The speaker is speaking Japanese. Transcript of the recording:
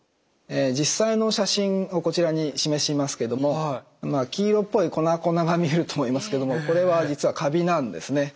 実際の写真をこちらに示しますけども黄色っぽい粉々が見えると思いますけどこれは実はカビなんですね。